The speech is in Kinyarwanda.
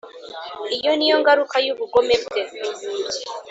iyo ni yo ngaruka y’ubugome bwe